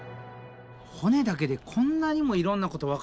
骨だけでこんなにもいろんなことわかるんや。